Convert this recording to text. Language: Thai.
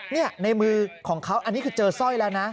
นี่ในมือของเขาอันนี้คือเจอสร้อยแล้วนะ